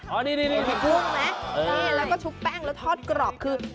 มีกุ้งนะแล้วก็ชุบแป้งแล้วทอดกรอบคือ